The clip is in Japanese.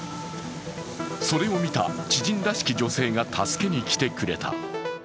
それを見た知人らしき女性が助けに来てくれた。